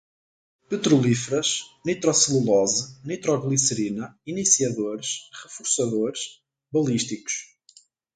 petrolíferas, nitrocelulose, nitroglicerina, iniciadores, reforçadores, balísticos